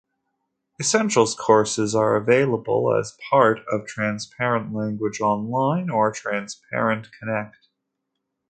Essentials courses are available as part of Transparent Language Online or Transparent Connect.